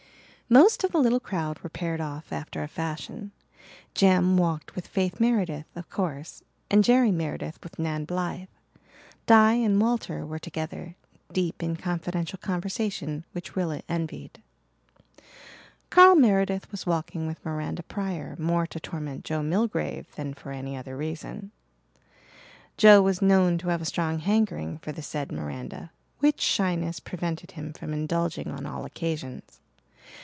Most of the little crowd were paired off after a fashion. Jem walked with Faith Meredith, of course, and Jerry Meredith with Nan Blythe. Di and Walter were together, deep in confidential conversation which Rilla envied. Carl Meredith was walking with Miranda Pryor, more to torment Joe Milgrave than for any other reason. Joe was known to have a strong hankering for the said Miranda, which shyness prevented him from indulging on all occasions.